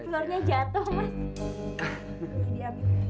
pelurnya jatuh mas